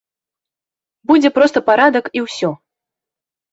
Будзе проста парадак, і ўсё.